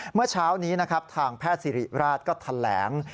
เมื่อเช้านี้นะครับทางแพทย์สิริราชก็แถลง